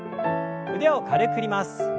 腕を軽く振ります。